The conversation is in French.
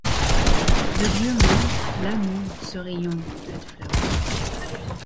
De-Dieu même, l'Amour, ce rayon, cette flamme